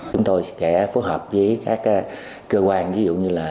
chúng tôi sẽ phối hợp với các cơ quan ví dụ như là